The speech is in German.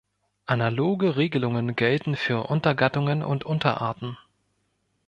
Analoge Regelungen gelten für Untergattungen und Unterarten.